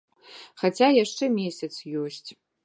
Хаця яшчэ месяц ёсць.